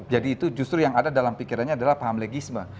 jadi itu justru yang ada dalam pikirannya adalah paham legisme